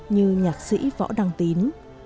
như nhạc sĩ võ đăng tín